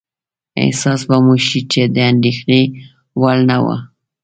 احساس به مو شي چې د اندېښنې وړ نه وه.